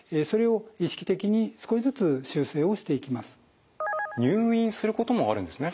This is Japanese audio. その過程で入院することもあるんですね。